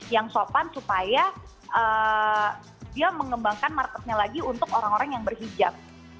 yang sopan supaya dia mengembangkan marketnya lagi untuk orang orang yang berhijab